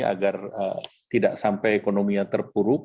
agar tidak sampai ekonominya terpuruk